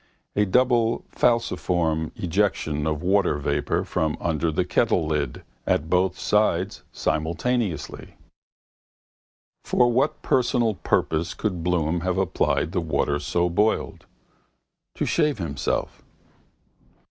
A double falciform ejection of water vapour from under the kettlelid at both sides simultaneously. For what personal purpose could Bloom have applied the water so boiled? To shave himself.